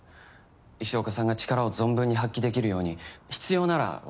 石岡さんが力を存分に発揮できるように必要なら私からもっと。